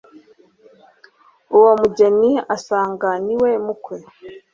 Uwo umugeni asanga niwe mukwe,